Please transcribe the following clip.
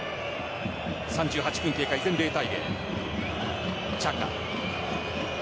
３８分経過、依然０対０。